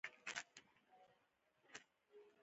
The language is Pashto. لاسونه کتابونه اړوي